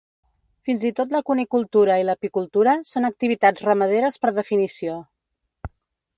Fins i tot la cunicultura i l'apicultura són activitats ramaderes per definició.